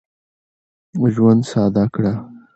ژوند ساده کړه.